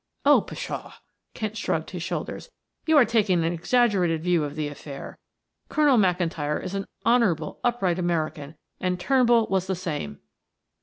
"Oh, pshaw!" Kent shrugged his shoulders. "You are taking an exaggerated view of the affair. Colonel McIntyre is an honorable upright American, and Turnbull was the same."